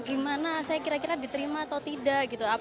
gimana saya kira kira diterima atau tidak gitu